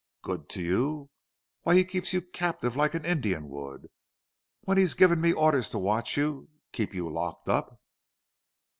"Good to you!... When he keeps you captive like an Indian would? When he's given me orders to watch you keep you locked up?"